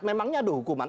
memangnya ada hukuman